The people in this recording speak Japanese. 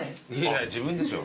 いや自分でしょ。